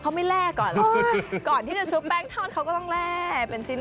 เขาไม่แร่ก่อนหรอกก่อนที่จะชุบแป้งทอดเขาก็ต้องแร่เป็นชิ้น